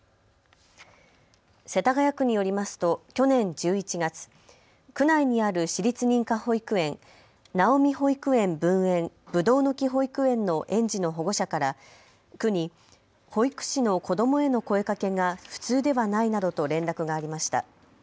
世田谷区によりますと去年１１月、区内にある私立認可保育園、ナオミ保育園分園ぶどうの木保育園の園児の保護者から区に保育士の子どもへの声かけが普通ではないなどと連絡がありました。